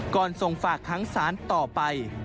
ก่อนส่งฝากค้างศาลต่อไป